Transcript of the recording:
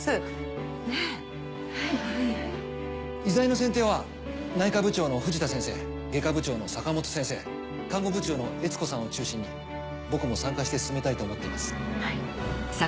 医材の選定は内科部長の藤田先生外科部長の坂本先生看護部長の悦子さんを中心に僕も参加して進めたいと思っています。